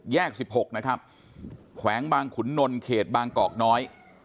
แยกสิบหกนะครับแขวงบางขุนนลเขตบางกอกน้อย